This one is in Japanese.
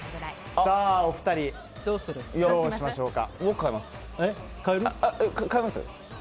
お二人、どうしましょうか。